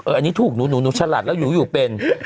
อันนี้ถูกหนูฉลาดแล้วหนูอยู่เป็น